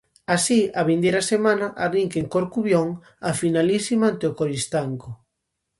Así, a vindeira semana arrinca en Corcubión a finalísima ante o Coristanco.